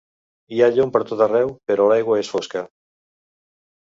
Hi ha llum per tot arreu, però l'aigua és fosca.